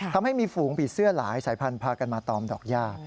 ทำให้มีฝูงบีดเสื้อหลายสายพันธุ์พากันมาตอมดอกย่า